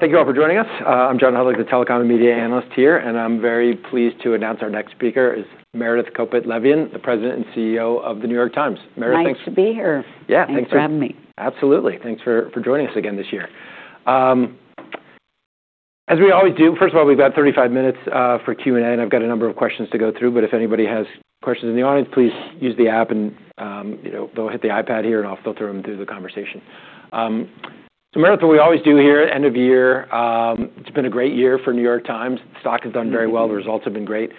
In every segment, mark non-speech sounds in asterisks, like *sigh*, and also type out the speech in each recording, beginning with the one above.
Thank you all for joining us. I'm John Hodulik, the telecom and media analyst here, and I'm very pleased to announce our next speaker is Meredith Kopit Levien, the President and CEO of The New York Times. Meredith, thanks. Nice to be here. Yeah, thanks. Thanks for having me. Absolutely. Thanks for joining us again this year. As we always do, first of all, we've got 35 minutes for Q and A, and I've got a number of questions to go through, but if anybody has questions in the audience, please use the app and, you know, they'll hit the iPad here and I'll filter them through the conversation. So Meredith, what we always do here at end of year, it's been a great year for The New York Times. The stock has done very well. The results have been great.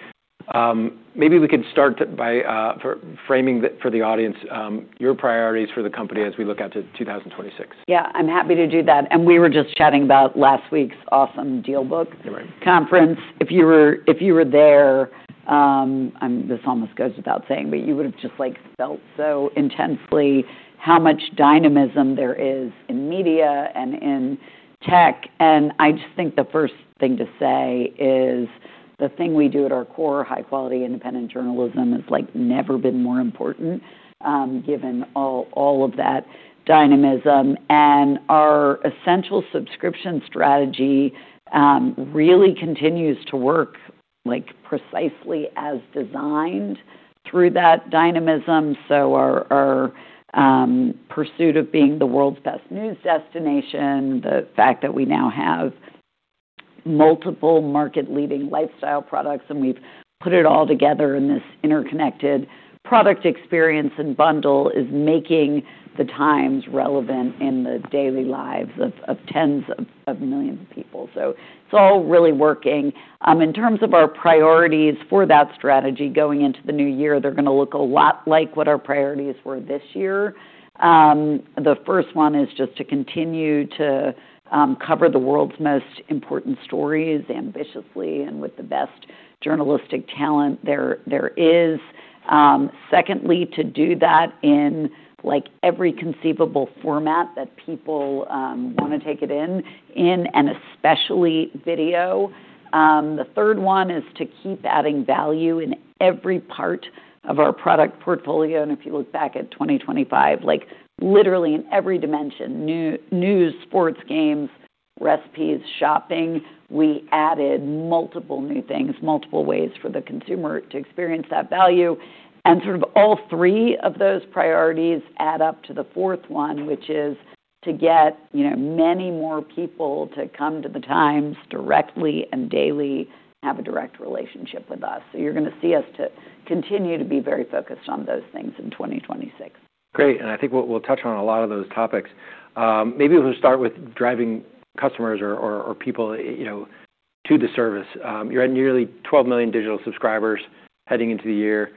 Maybe we could start by framing it for the audience, your priorities for the company as we look at 2026. Yeah, I'm happy to do that, and we were just chatting about last week's awesome DealBook Conference. If you were there, this almost goes without saying, but you would have just, like, felt so intensely how much dynamism there is in media and in tech. And I just think the first thing to say is the thing we do at our core, high-quality independent journalism, has like never been more important, given all of that dynamism. And our essential subscription strategy really continues to work, like, precisely as designed through that dynamism. So our pursuit of being the world's best news destination, the fact that we now have multiple market-leading lifestyle products, and we've put it all together in this interconnected product experience and bundle is making The Times relevant in the daily lives of tens of millions of people. So it's all really working. In terms of our priorities for that strategy going into the new year, they're going to look a lot like what our priorities were this year. The first one is just to continue to cover the world's most important stories ambitiously and with the best journalistic talent there is. Secondly, to do that in like every conceivable format that people want to take it in and especially video. The third one is to keep adding value in every part of our product portfolio, and if you look back at 2025, like literally in every dimension news, sports, games, recipes, shopping, we added multiple new things, multiple ways for the consumer to experience that value, and sort of all three of those priorities add up to the fourth one, which is to get you know many more people to come to The Times directly and daily, have a direct relationship with us. You're gonna see us to continue to be very focused on those things in 2026. Great. I think we'll touch on a lot of those topics. Maybe we'll start with driving customers or people, you know, to the service. You're at nearly 12 million digital subscribers heading into the year.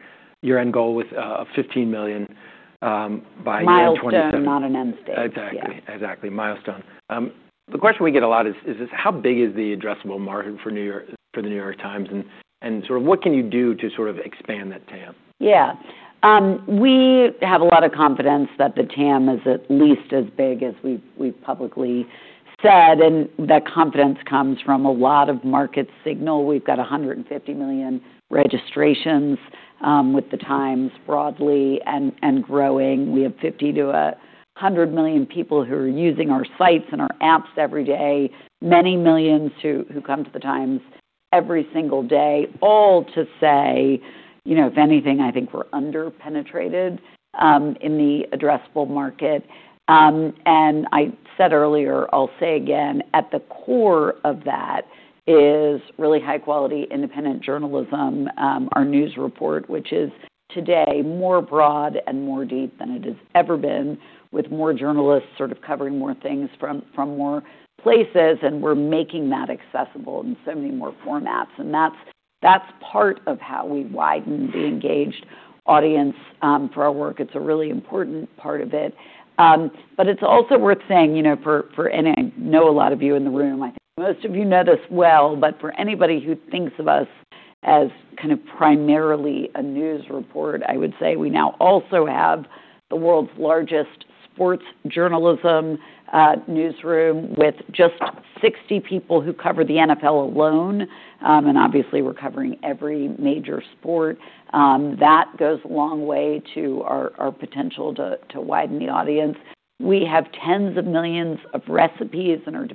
Your end goal with 15 million by 2027. Milestone, not an end state. Exactly. Milestone. The question we get a lot is, is this how big is the addressable market for the New York Times? And, and sort of what can you do to sort of expand that TAM? Yeah. We have a lot of confidence that the TAM is at least as big as we've publicly said, and that confidence comes from a lot of market signal. We've got 150 million registrations with The Times broadly and growing. We have 50 million to 100 million people who are using our sites and our apps everyday, many millions who come to The Times every single day, all to say, you know, if anything, I think we're underpenetrated in the addressable market, and I said earlier, I'll say again, at the core of that is really high-quality independent journalism, our news report, which is today more broad and more deep than it has ever been, with more journalists sort of covering more things from more places, and we're making that accessible in so many more formats. And that's part of how we widen the engaged audience, for our work. It's a really important part of it. But it's also worth saying, you know, for any - I know a lot of you in the room, I think most of you know this well - but for anybody who thinks of us as kind of primarily a news report, I would say we now also have the world's largest sports journalism newsroom with just 60 people who cover the NFL alone. And obviously, we're covering every major sport. That goes a long way to our potential to widen the audience. We have tens of millions of recipes and are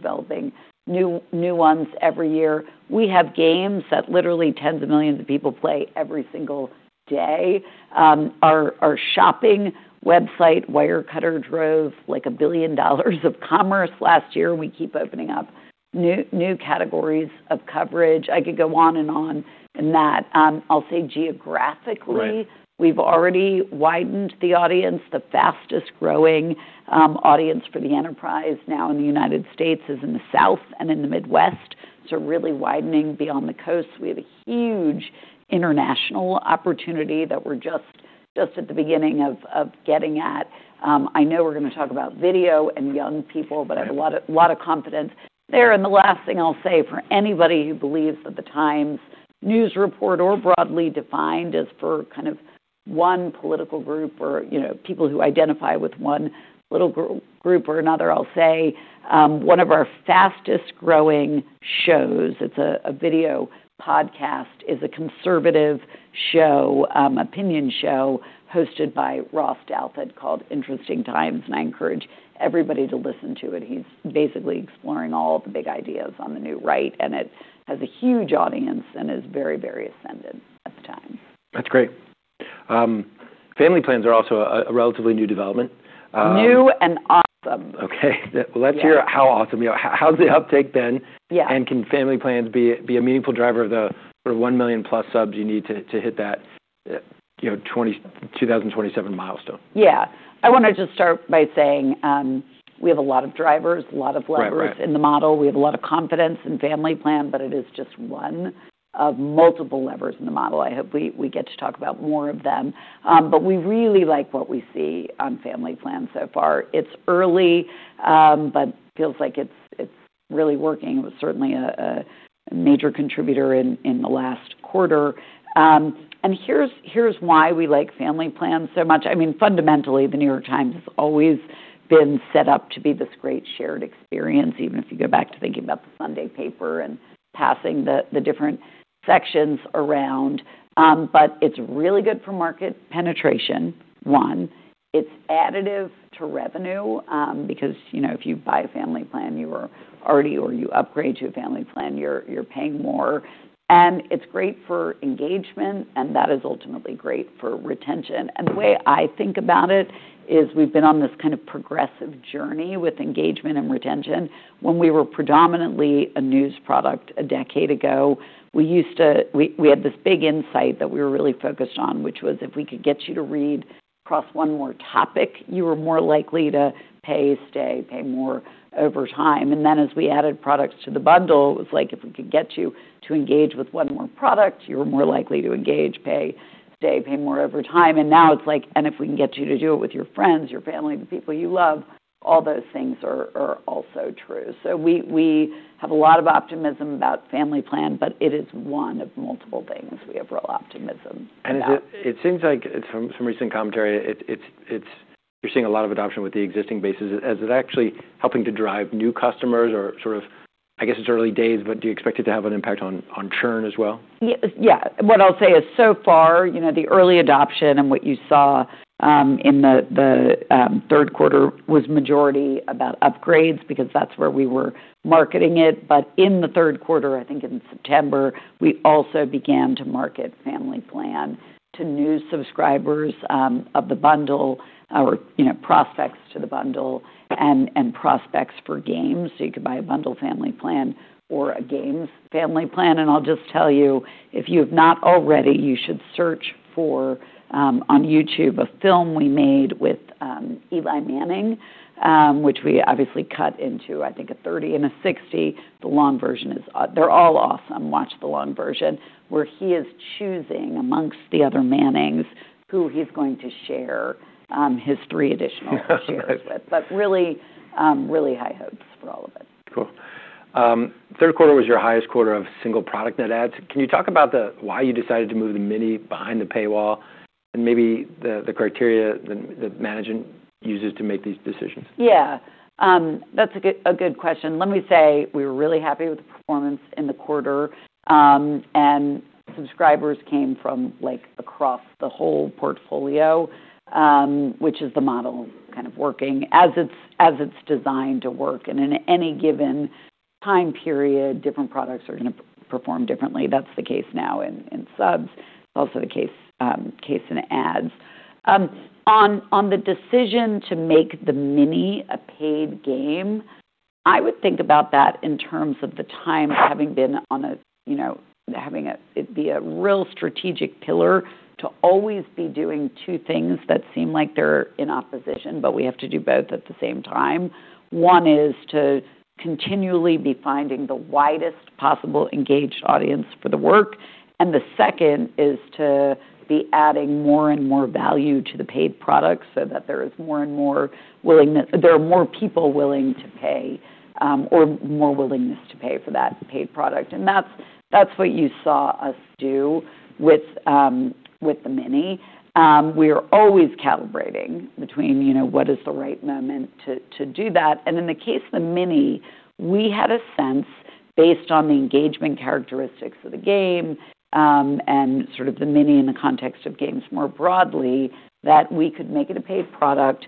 developing new ones every year. We have games that literally tens of millions of people play every single day. Our shopping website, Wirecutter, drove like $1 billion of commerce last year. We keep opening up new categories of coverage. I could go on and on in that. I'll say geographically. We've already widened the audience. The fastest growing audience for the enterprise now in the United States is in the South and in the Midwest, so really widening beyond the coast. We have a huge international opportunity that we're just at the beginning of getting at. I know we're gonna talk about video and young people, but I have a lot of confidence there, and the last thing I'll say for anybody who believes that The Times news report, or broadly defined, is for kind of one political group or, you know, people who identify with one little group or another, I'll say, one of our fastest growing shows, it's a video podcast, is a conservative show, opinion show hosted by Ross Douthat called Interesting Times. And I encourage everybody to listen to it. He's basically exploring all the big ideas on the new right, and it has a huge audience and is very, very ascendant at the time. That's great. Family Plans are also a relatively new development. New and awesome. Okay, well, that's your how awesome. Yeah. How's the uptake been? Yeah. Can Family Plans be a meaningful driver of the sort of 1 million-plus subs you need to hit that, you know, 2027 milestone? Yeah. I wanna just start by saying, we have a lot of drivers, a lot of levers. *audio distortion* In the model, we have a lot of confidence in Family Plan, but it is just one of multiple levers in the model. I hope we get to talk about more of them, but we really like what we see on Family Plan so far. It's early, but feels like it's really working. It was certainly a major contributor in the last quarter, and here's why we like Family Plan so much. I mean, fundamentally, The New York Times has always been set up to be this great shared experience, even if you go back to thinking about the Sunday paper and passing the different sections around, but it's really good for market penetration. One, it's additive to revenue, because, you know, if you buy a Family Plan, you are already or you upgrade to a Family Plan, you're paying more. It's great for engagement, and that is ultimately great for retention. The way I think about it is we've been on this kind of progressive journey with engagement and retention. When we were predominantly a news product a decade ago, we used to have this big insight that we were really focused on, which was if we could get you to read across one more topic, you were more likely to pay, stay, pay more over time. Then as we added products to the bundle, it was like if we could get you to engage with one more product, you were more likely to engage, pay, stay, pay more over time. Now it's like if we can get you to do it with your friends, your family, the people you love, all those things are also true. So we have a lot of optimism about Family Plan, but it is one of multiple things. We have real optimism. It seems like from recent commentary, you're seeing a lot of adoption with the existing bases. Is it actually helping to drive new customers or sort of? I guess it's early days, but do you expect it to have an impact on churn as well? Yeah. What I'll say is so far, you know, the early adoption and what you saw in the third quarter was majority about upgrades because that's where we were marketing it. But in the third quarter, I think in September, we also began to market Family Plan to new subscribers of the bundle or, you know, prospects to the bundle and prospects for Games. So you could buy a bundle Family Plan or a Games Family Plan. And I'll just tell you, if you have not already, you should search for on YouTube a film we made with Eli Manning, which we obviously cut into, I think, a 30 and a 60. The long version is, they're all awesome. Watch the long version where he is choosing among the other Mannings who he's going to share his three additional shares with. But really, really high hopes for all of us. Cool. Third quarter was your highest quarter of single product net adds. Can you talk about why you decided to move The Mini behind the paywall and maybe the criteria that management uses to make these decisions? Yeah. That's a good question. Let me say we were really happy with the performance in the quarter. Subscribers came from, like, across the whole portfolio, which is the model kind of working as it's designed to work. In any given time period, different products are going to perform differently. That's the case now in, in subs. It's also the case, case in ads. On the decision to make The Mini a paid game, I would think about that in terms of the time having been on a, you know, having it be a real strategic pillar to always be doing two things that seem like they're in opposition, but we have to do both at the same time. One is to continually be finding the widest possible engaged audience for the work. The second is to be adding more and more value to the paid product so that there is more and more willingness, there are more people willing to pay, or more willingness to pay for that paid product. That's what you saw us do with The Mini. We are always calibrating between, you know, what is the right moment to do that. And in the case of The Mini, we had a sense based on the engagement characteristics of the game, and sort of The Mini in the context of games more broadly, that we could make it a paid product,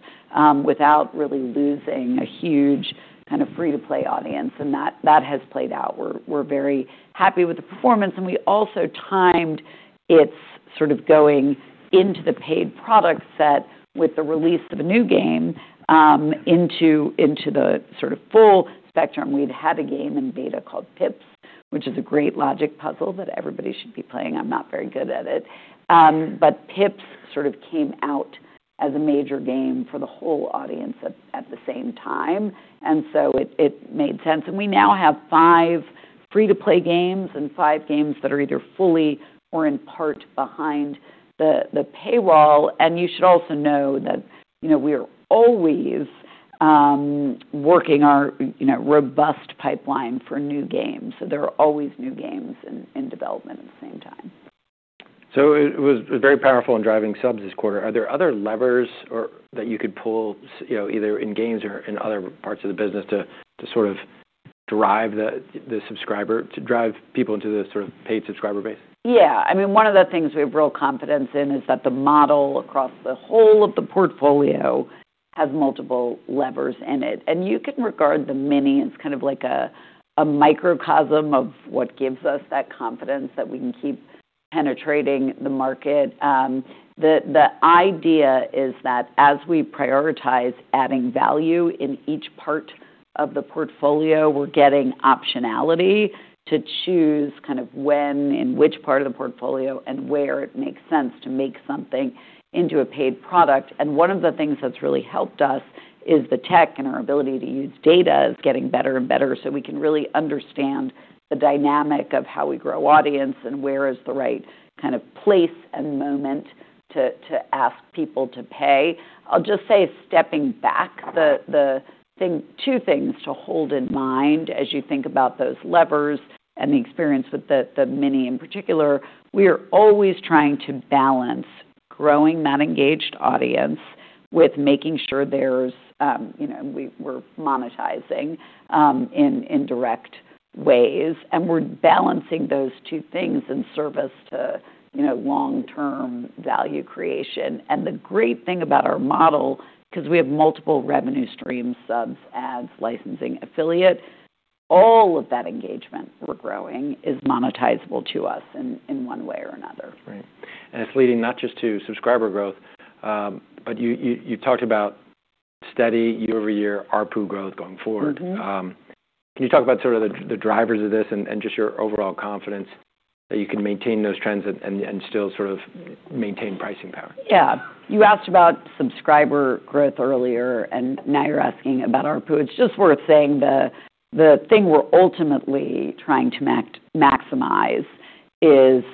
without really losing a huge kind of free-to-play audience. And that has played out. We're very happy with the performance. And we also timed its sort of going into the paid product set with the release of a new game into the sort of full spectrum. We'd had a game in beta called Pips, which is a great logic puzzle that everybody should be playing. I'm not very good at it. But Pips sort of came out as a major game for the whole audience at the same time. And so it made sense. And we now have five free-to-play games and five games that are either fully or in part behind the paywall. And you should also know that, you know, we are always working our, you know, robust pipeline for new games. So there are always new games in development at the same time. So it was very powerful in driving subs this quarter. Are there other levers or that you could pull, you know, either in games or in other parts of the business to sort of drive the subscriber, to drive people into the sort of paid subscriber base? Yeah. I mean, one of the things we have real confidence in is that the model across the whole of the portfolio has multiple levers in it. And you can regard The Mini as kind of like a microcosm of what gives us that confidence that we can keep penetrating the market. The idea is that as we prioritize adding value in each part of the portfolio, we're getting optionality to choose kind of when, in which part of the portfolio and where it makes sense to make something into a paid product. And one of the things that's really helped us is the tech and our ability to use data is getting better and better. So we can really understand the dynamic of how we grow audience and where is the right kind of place and moment to ask people to pay. I'll just say, stepping back, the thing: two things to hold in mind as you think about those levers and the experience with the mini in particular, we are always trying to balance growing that engaged audience with making sure there's, you know, and we were monetizing in direct ways, and we're balancing those two things in service to, you know, long-term value creation, and the great thing about our model, because we have multiple revenue streams: subs, ads, licensing, affiliate, all of that engagement we're growing is monetizable to us in one way or another. Right. And it's leading not just to subscriber growth, but you talked about steady year-over-year ARPU growth going forward. Can you talk about sort of the drivers of this and just your overall confidence that you can maintain those trends and still sort of maintain pricing power? Yeah. You asked about subscriber growth earlier, and now you're asking about ARPU. It's just worth saying the thing we're ultimately trying to maximize is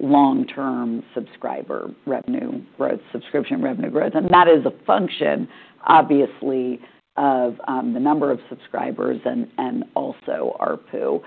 long-term subscriber revenue growth, subscription revenue growth. And that is a function, obviously, of the number of subscribers and also ARPU.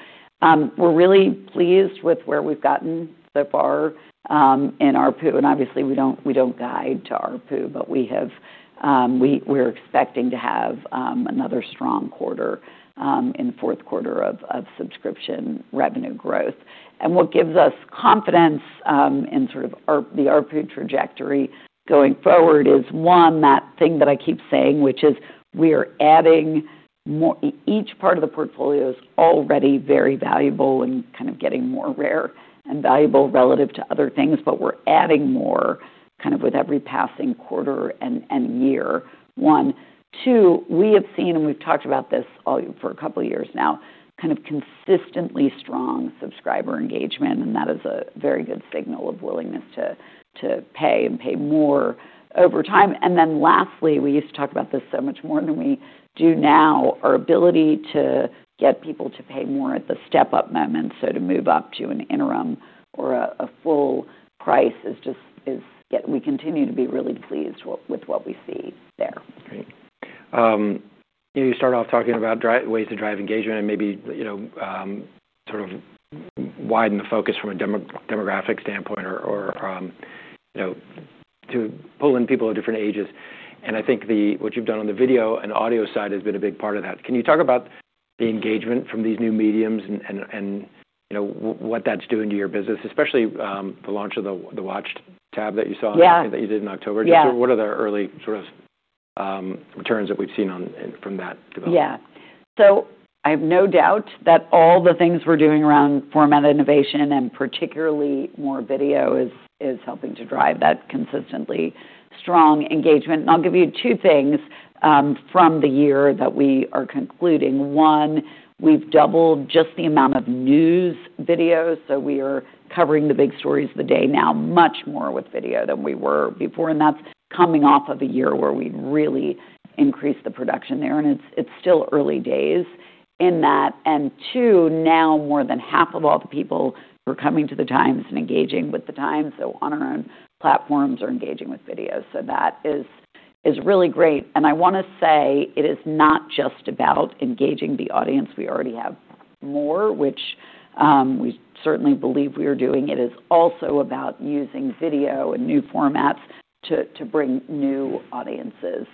We're really pleased with where we've gotten so far in ARPU. And obviously, we don't guide to ARPU, but we're expecting to have another strong quarter in the fourth quarter of subscription revenue growth. And what gives us confidence in our ARPU trajectory going forward is one, that thing that I keep saying, which is we are adding more each part of the portfolio is already very valuable and kind of getting more rare and valuable relative to other things, but we're adding more kind of with every passing quarter and year. Two, we have seen, and we've talked about this all for a couple of years now, kind of consistently strong subscriber engagement. And that is a very good signal of willingness to pay and pay more over time. And then lastly, we used to talk about this so much more than we do now, our ability to get people to pay more at the step-up moment. So to move up to an interim or a full price is just; we continue to be really pleased with what we see there. Great. You know, you start off talking about diverse ways to drive engagement and maybe, you know, sort of widen the focus from a demographic standpoint or, or, you know, to pull in people of different ages. And I think what you've done on the video and audio side has been a big part of that. Can you talk about the engagement from these new mediums and, you know, what that's doing to your business, especially the launch of the Watch Tab that you saw in the. Yeah. That you did in October? Yeah. Just what are the early sort of returns that we've seen from that development? Yeah. So I have no doubt that all the things we're doing around format innovation and particularly more video is helping to drive that consistently strong engagement. And I'll give you two things from the year that we are concluding. One, we've doubled just the amount of news videos. So we are covering the big stories of the day now much more with video than we were before. And that's coming off of a year where we really increased the production there. And it's still early days in that. And two, now more than half of all the people who are coming to the Times and engaging with the Times, so on our own platforms, are engaging with video. So that is really great. And I wanna say it is not just about engaging the audience we already have more, which we certainly believe we are doing. It is also about using video and new formats to bring new audiences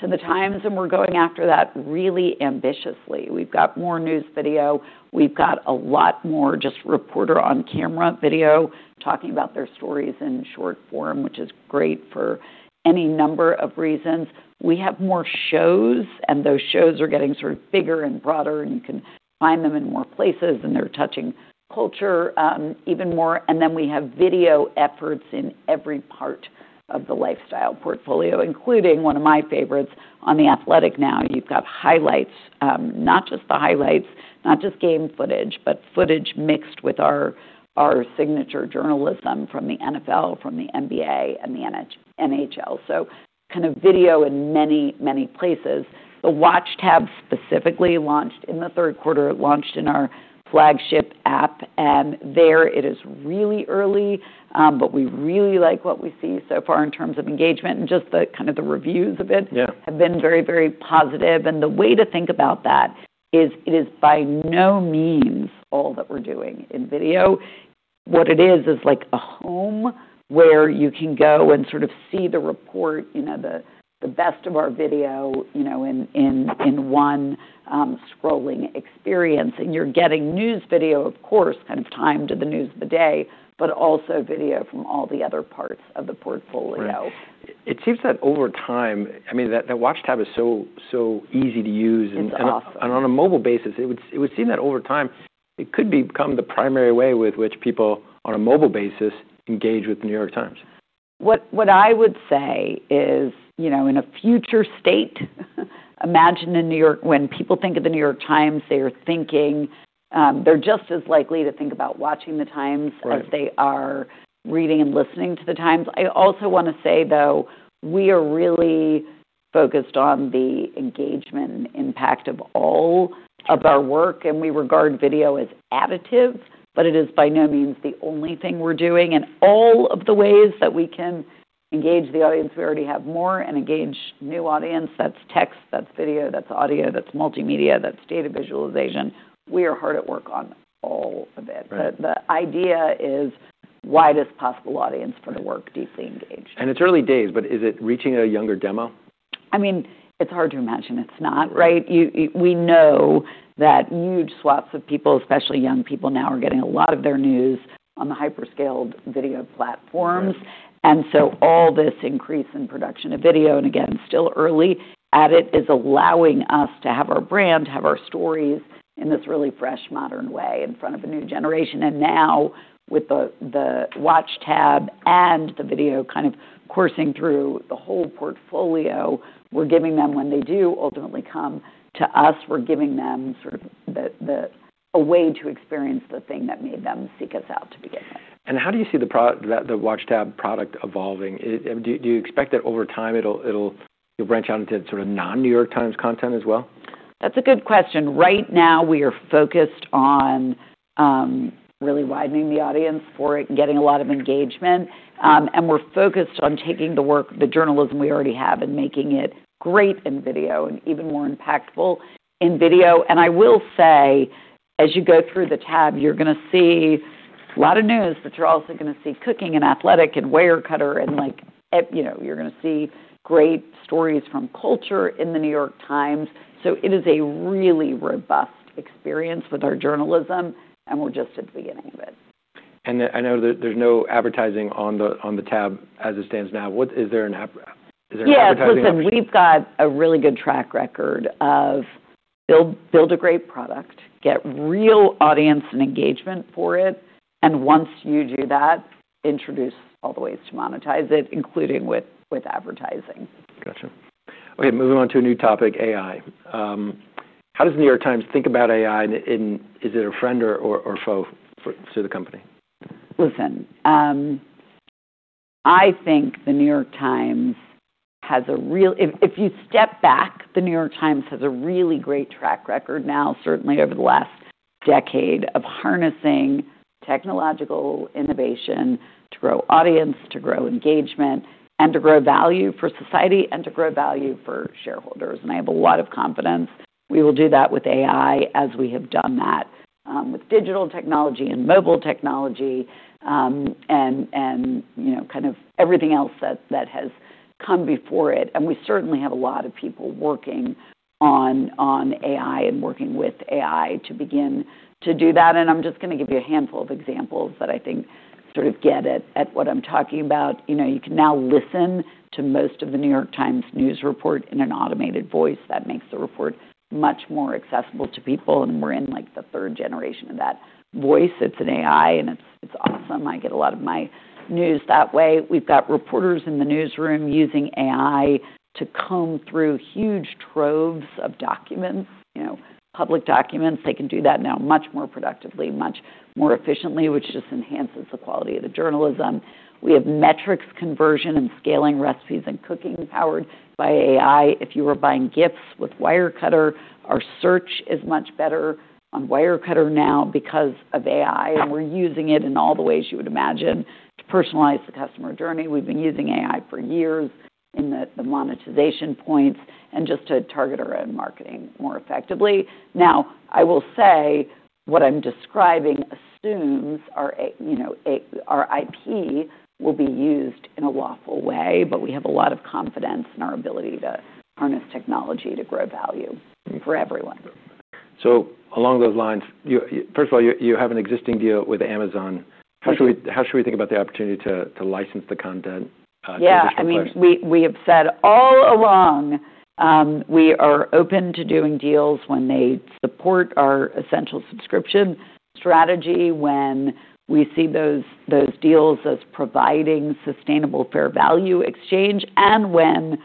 to the Times, and we're going after that really ambitiously. We've got more news video. We've got a lot more just reporter on camera video talking about their stories in short form, which is great for any number of reasons. We have more shows, and those shows are getting sort of bigger and broader, and you can find them in more places, and they're touching culture, even more, and then we have video efforts in every part of the lifestyle portfolio, including one of my favorites on The Athletic now. You've got highlights, not just the highlights, not just game footage, but footage mixed with our signature journalism from the NFL, from the NBA, and the NHL, so kind of video in many, many places. The Watch Tab specifically launched in the third quarter, launched in our flagship app, and there it is really early, but we really like what we see so far in terms of engagement, and just the kind of reviews of it have been very, very positive. And the way to think about that is it is by no means all that we're doing in video. What it is, is like a home where you can go and sort of see the report you know, the best of our video, you know, in one scrolling experience. And you're getting news video, of course, kind of timed to the news of the day, but also video from all the other parts of the portfolio. Right. It seems that over time, I mean, that, that Watch Tab is so, so easy to use. It's awesome. On a mobile basis, it would seem that over time it could become the primary way with which people on a mobile basis engage with The New York Times. What I would say is, you know, in a future state, imagine a New York when people think of the New York Times, they are thinking, they're just as likely to think about watching the Times. Right. As they are reading and listening to the Times. I also wanna say, though, we are really focused on the engagement impact of all of our work. And we regard video as additive, but it is by no means the only thing we're doing. And all of the ways that we can engage the audience, we already have more and engage new audience. That's text, that's video, that's audio, that's multimedia, that's data visualization. We are hard at work on all of it. Right. The idea is widest possible audience for the work deeply engaged. It's early days, but is it reaching a younger demo? I mean, it's hard to imagine it's not, right? You know, we know that huge swaths of people, especially young people now, are getting a lot of their news on the hyperscaled video platforms. And so all this increase in production of video, and again, still early at it, is allowing us to have our brand, have our stories in this really fresh, modern way in front of a new generation. And now with the Watch Tab and the video kind of coursing through the whole portfolio, we're giving them, when they do ultimately come to us, we're giving them sort of a way to experience the thing that made them seek us out to begin with. How do you see the Watch Tab product evolving? Do you expect that over time it'll branch out into sort of non-New York Times content as well? That's a good question. Right now, we are focused on, really widening the audience for it, getting a lot of engagement, and we're focused on taking the work, the journalism we already have and making it great in video and even more impactful in video, and I will say, as you go through the tab, you're going to see a lot of news, but you're also going to see Cooking and Athletic and Wirecutter and like, you know, you're going to see great stories from Culture in the New York Times, so it is a really robust experience with our journalism, and we're just at the beginning of it. I know that there's no advertising on the tab as it stands now. What is there? An app? Is there an advertising? Yeah. Listen, we've got a really good track record of building a great product, getting real audience and engagement for it. And once you do that, introduce all the ways to monetize it, including with advertising. Gotcha. Okay. Moving on to a new topic, AI. How does the New York Times think about AI? And is it a friend or foe for the company? Listen, I think the New York Times has a real, if you step back, the New York Times has a really great track record now, certainly over the last decade, of harnessing technological innovation to grow audience, to grow engagement, and to grow value for society and to grow value for shareholders, and I have a lot of confidence we will do that with AI as we have done that with digital technology and mobile technology, and you know, kind of everything else that has come before it, and we certainly have a lot of people working on AI and working with AI to begin to do that, and I'm just gonna give you a handful of examples that I think sort of get at what I'm talking about. You know, you can now listen to most of the New York Times news report in an automated voice. That makes the report much more accessible to people, and we're in like the third generation of that voice. It's an AI, and it's awesome. I get a lot of my news that way. We've got reporters in the newsroom using AI to comb through huge troves of documents, you know, public documents. They can do that now much more productively, much more efficiently, which just enhances the quality of the journalism. We have metrics conversion and scaling recipes and cooking powered by AI. If you were buying gifts with Wirecutter, our search is much better on Wirecutter now because of AI, and we're using it in all the ways you would imagine to personalize the customer journey. We've been using AI for years in the monetization points and just to target our own marketing more effectively. Now, I will say what I'm describing assumes our, you know, our IP will be used in a lawful way, but we have a lot of confidence in our ability to harness technology to grow value for everyone. So along those lines, first of all, you have an existing deal with Amazon. How should we think about the opportunity to license the content? Yeah. I mean, we have said all along, we are open to doing deals when they support our essential subscription strategy, when we see those deals as providing sustainable fair value exchange, and when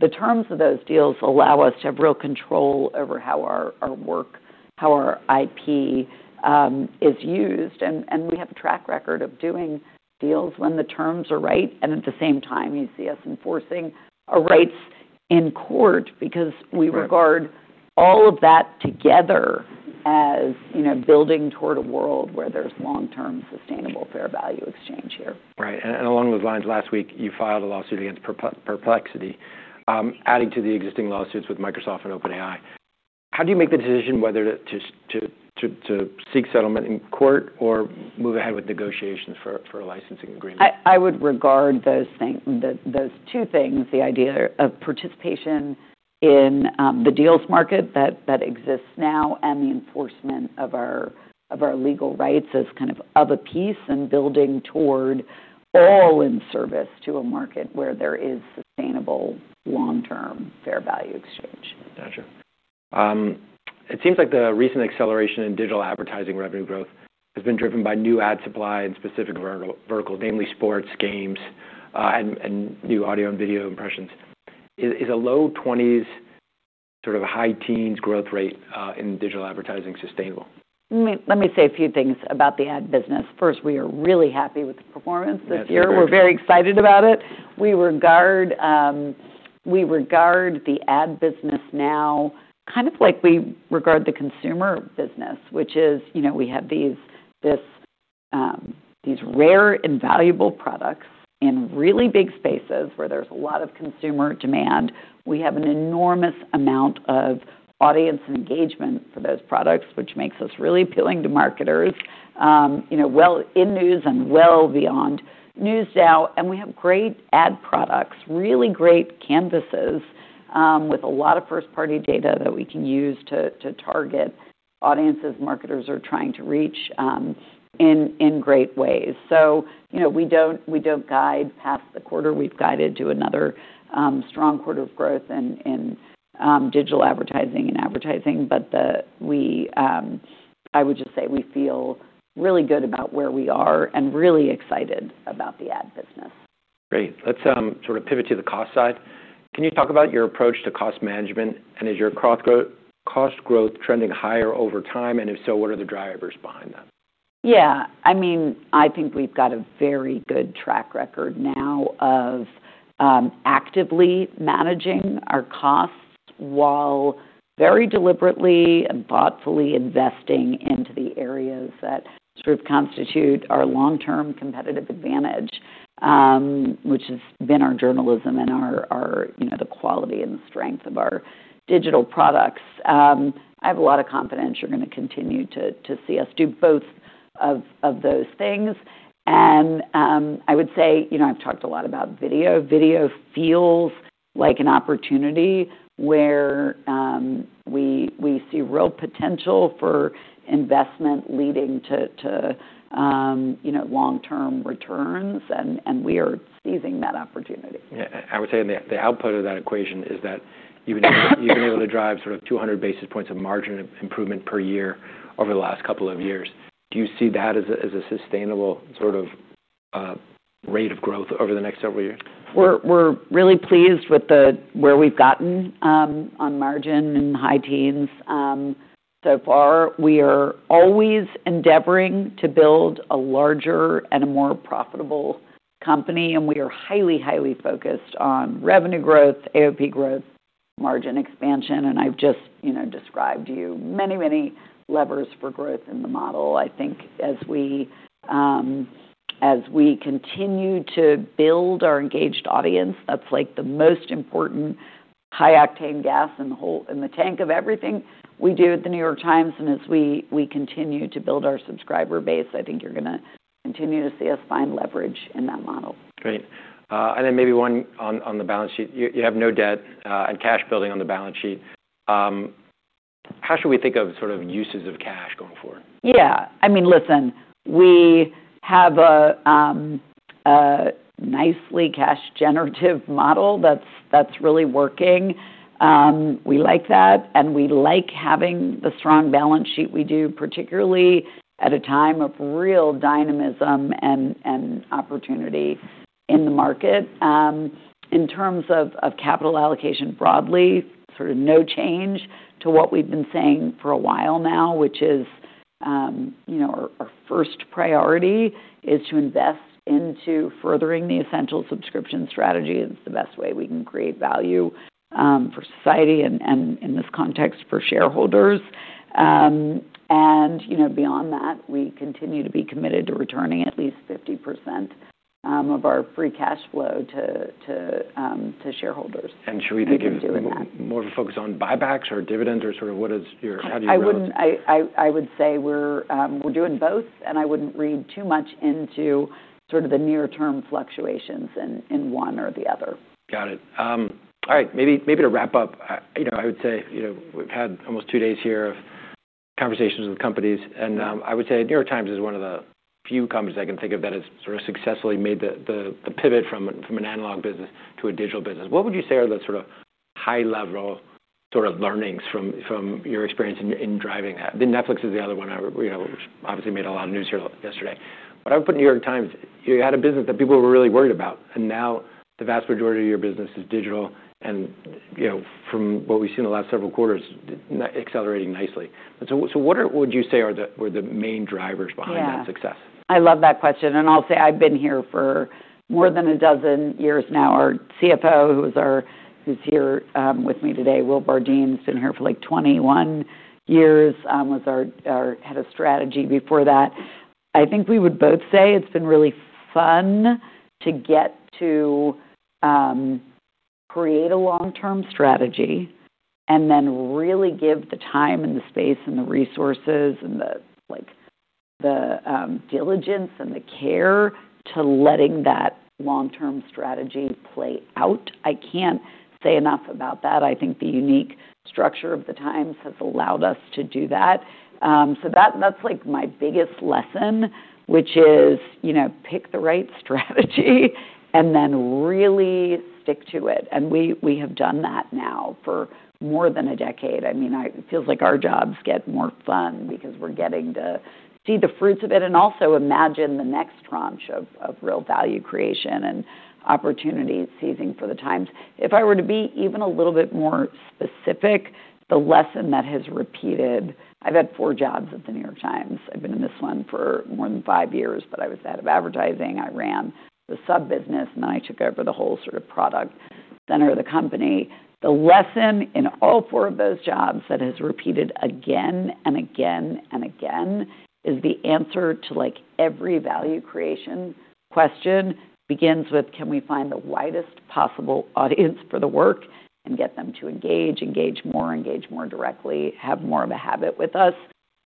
the terms of those deals allow us to have real control over how our work, how our IP, is used. And we have a track record of doing deals when the terms are right. And at the same time, you see us enforcing our rights in court because we regard all of that together as, you know, building toward a world where there's long-term sustainable fair value exchange here. Right, and along those lines, last week, you filed a lawsuit against Perplexity, adding to the existing lawsuits with Microsoft and OpenAI. How do you make the decision whether to seek settlement in court or move ahead with negotiations for a licensing agreement? I would regard those things, those two things, the idea of participation in the deals market that exists now and the enforcement of our legal rights as kind of a piece and building toward all in service to a market where there is sustainable long-term fair value exchange. Gotcha. It seems like the recent acceleration in digital advertising revenue growth has been driven by new ad supply and specific vertical, namely sports, games, and new audio and video impressions. Is a low 20s, sort of high teens growth rate in digital advertising sustainable. Let me, let me say a few things about the ad business. First, we are really happy with the performance this year. That's good. We're very excited about it. We regard the ad business now kind of like we regard the consumer business, which is, you know, we have these rare and valuable products in really big spaces where there's a lot of consumer demand. We have an enormous amount of audience and engagement for those products, which makes us really appealing to marketers, you know, well in news and well beyond news now. And we have great ad products, really great canvases, with a lot of first-party data that we can use to target audiences marketers are trying to reach, in great ways. So, you know, we don't guide past the quarter. We've guided to another strong quarter of growth in digital advertising and advertising. But I would just say we feel really good about where we are and really excited about the ad business. Great. Let's sort of pivot to the cost side. Can you talk about your approach to cost management? And is your cost growth trending higher over time? And if so, what are the drivers behind that? Yeah. I mean, I think we've got a very good track record now of actively managing our costs while very deliberately and thoughtfully investing into the areas that sort of constitute our long-term competitive advantage, which has been our journalism and our you know the quality and the strength of our digital products. I have a lot of confidence you're gonna continue to see us do both of those things. And I would say you know I've talked a lot about video. Video feels like an opportunity where we see real potential for investment leading to you know long-term returns. And we are seizing that opportunity. Yeah. I would say the output of that equation is that you've been able to drive sort of 200 basis points of margin improvement per year over the last couple of years. Do you see that as a sustainable sort of rate of growth over the next several years? We're really pleased with where we've gotten on margin in high teens so far. We are always endeavoring to build a larger and a more profitable company. We are highly, highly focused on revenue growth, AOP growth, margin expansion. I've just, you know, described to you many, many levers for growth in the model. I think as we continue to build our engaged audience, that's like the most important high-octane gas in the tank of everything we do at The New York Times. As we continue to build our subscriber base, I think you're gonna continue to see us find leverage in that model. Great. And then maybe one on the balance sheet. You have no debt, and cash building on the balance sheet. How should we think of sort of uses of cash going forward? Yeah. I mean, listen, we have a nicely cash-generative model that's really working. We like that, and we like having the strong balance sheet. We do particularly at a time of real dynamism and opportunity in the market. In terms of capital allocation broadly, sort of no change to what we've been saying for a while now, which is, you know, our first priority is to invest into furthering the essential subscription strategy. It's the best way we can create value for society and in this context for shareholders, and you know, beyond that, we continue to be committed to returning at least 50% of our free cash flow to shareholders. Should we think of more of a focus on buybacks or dividends or sort of what is your, how do you? I would say we're doing both. And I wouldn't read too much into sort of the near-term fluctuations in one or the other. Got it. All right. Maybe to wrap up, you know, I would say, you know, we've had almost two days here of conversations with companies. I would say New York Times is one of the few companies I can think of that has sort of successfully made the pivot from an analog business to a digital business. What would you say are the sort of high-level sort of learnings from your experience in driving that? The Netflix is the other one I were, you know, which obviously made a lot of news here yesterday. But I would put New York Times. You had a business that people were really worried about. Now the vast majority of your business is digital and, you know, from what we've seen the last several quarters, accelerating nicely. What would you say were the main drivers behind that success? Yeah. I love that question. And I'll say I've been here for more than a dozen years now. Our CFO, who's here with me today, Will Bardeen, has been here for like 21 years, was our head of strategy before that. I think we would both say it's been really fun to get to create a long-term strategy and then really give the time and the space and the resources and the, like, diligence and the care to letting that long-term strategy play out. I can't say enough about that. I think the unique structure of the Times has allowed us to do that. So that's like my biggest lesson, which is, you know, pick the right strategy and then really stick to it. And we have done that now for more than a decade. I mean, it feels like our jobs get more fun because we're getting to see the fruits of it and also imagine the next tranche of real value creation and opportunity seizing for the Times. If I were to be even a little bit more specific, the lesson that has repeated. I've had four jobs at the New York Times. I've been in this one for more than five years, but I was head of advertising. I ran the sub-business, and then I took over the whole sort of product center of the company. The lesson in all four of those jobs that has repeated again and again and again is the answer to like every value creation question begins with, can we find the widest possible audience for the work and get them to engage, engage more directly, have more of a habit with us?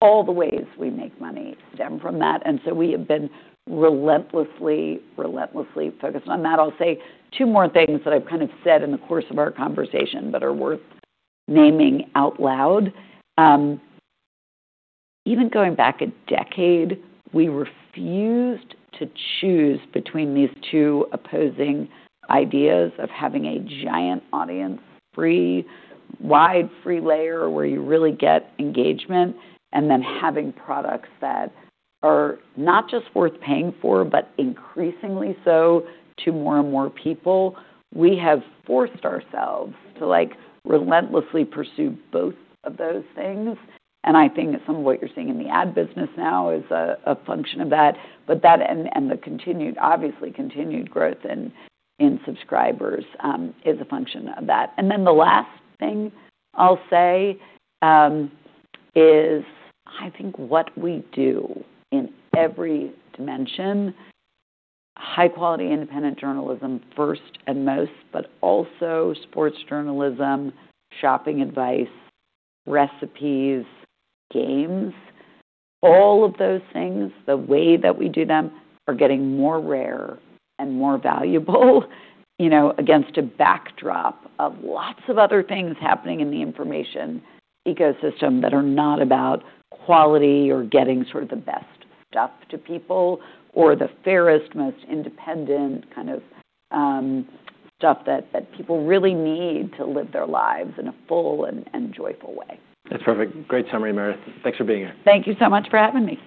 All the ways we make money stem from that. So we have been relentlessly, relentlessly focused on that. I'll say two more things that I've kind of said in the course of our conversation that are worth naming out loud. Even going back a decade, we refused to choose between these two opposing ideas of having a giant audience-free, wide free layer where you really get engagement and then having products that are not just worth paying for, but increasingly so to more and more people. We have forced ourselves to like relentlessly pursue both of those things. And I think some of what you're seeing in the ad business now is a function of that. But that and the continued, obviously, growth in subscribers is a function of that. And then the last thing I'll say is I think what we do in every dimension, high-quality independent journalism first and most, but also sports journalism, shopping advice, recipes, games, all of those things, the way that we do them are getting more rare and more valuable, you know, against a backdrop of lots of other things happening in the information ecosystem that are not about quality or getting sort of the best stuff to people or the fairest, most independent kind of stuff that people really need to live their lives in a full and joyful way. That's perfect. Great summary, Meredith. Thanks for being here. Thank you so much for having me.